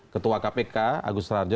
ketua kpk agus harjo